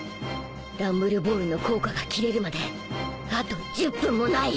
ランブルボールの効果が切れるまであと１０分もない